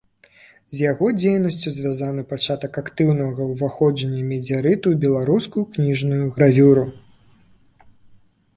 З яго дзейнасцю звязаны пачатак актыўнага ўваходжання медзярыту ў беларускую кніжную гравюру.